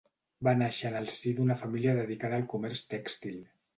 Va nàixer en el si d’una família dedicada al comerç tèxtil.